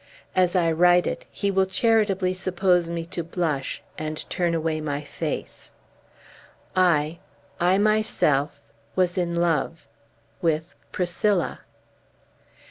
As I write it, he will charitably suppose me to blush, and turn away my face: I I myself was in love with Priscilla!